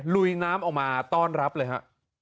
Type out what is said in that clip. ลุยน้ำออกมาต้อนรับเลยฮะ